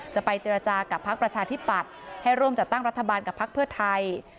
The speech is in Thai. จะไปเจรจากับพักประชาธิปัตย์ให้ร่วมจัดตั้งรัฐบาลกับพักเพื่อไทย